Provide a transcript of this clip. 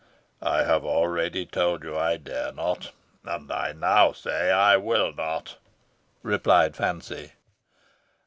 "I have already told you I dare not, and I now say I will not," replied Fancy.